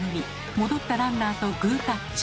戻ったランナーとグータッチ。